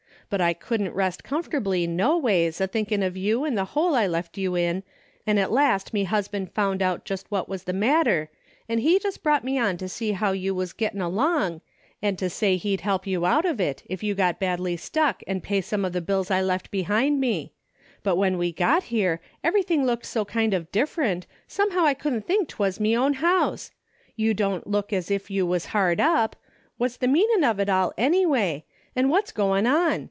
But I couldn't rest comfortably noways, a thinkin' of you an' the hole I left you in, an' at last me husband found out what was the matter, an' he just brought me on to see how you was gettin' along, and to say he'd help you out of it, if you got badly stuck and pay some of the bills I left behind me, but when we got here every thing looked so kind of different, somehow I couldn't think 'twas me own house. You don't look as if you was hard up. What's the meanin' of it all ennyway, an' what's goin' on